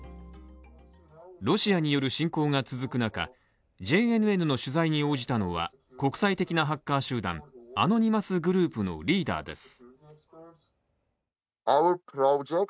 ロシアによる侵攻が続く中、ＪＮＮの取材に応じたのは、国際的なハッカー集団アノニマスグループのリーダーです。